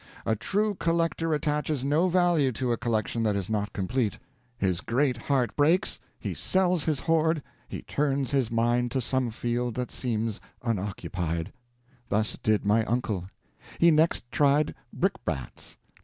A true collector attaches no value to a collection that is not complete. His great heart breaks, he sells his hoard, he turns his mind to some field that seems unoccupied. Thus did my uncle. He next tried brickbats.